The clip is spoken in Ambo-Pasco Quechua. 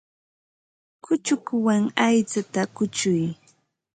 Kuchukuwan aychata kuchuy.